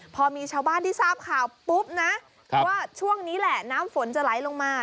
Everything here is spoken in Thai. พอมีชาวบ้านที่ทราบข่าวปุ๊บนะว่าช่วงนี้แหละน้ำฝนจะไหลลงมา